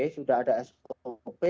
sudah ada sop